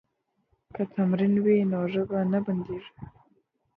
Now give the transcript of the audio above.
که تمرین وي نو ژبه نه بندیږي.